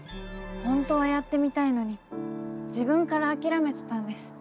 本当はやってみたいのに自分から諦めてたんです。